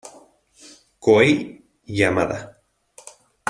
Kohei Yamada